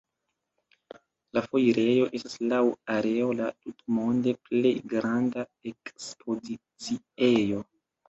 La foirejo estas laŭ areo la tutmonde plej granda ekspoziciejo.